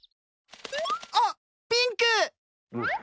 あっピンク！